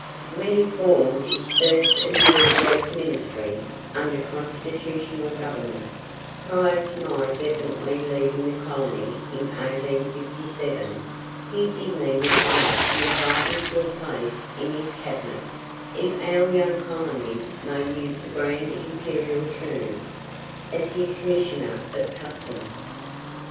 When he formed his first and very brief Ministry, under Constitutional Government, prior to my definitely leaving the colony in 1857, he did me the honour to invite me to a place in his "Cabinet," if our young colonies may use that grand Imperial term, as his Commissioner of Customs.